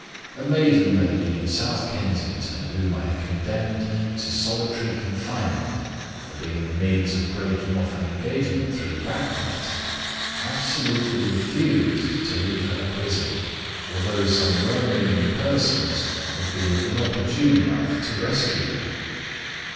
A maiden lady in South Kensington whom I had condemned to solitary confinement for being the means of breaking off an engagement through backbiting, absolutely refused to leave her prison, although some well meaning persons had been inopportune enough to rescue her."